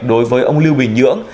đối với ông lưu bình nhưỡng